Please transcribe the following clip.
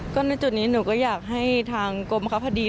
ก็ในจุดนี้หนูก็อยากให้ทางกรมบังคับคดี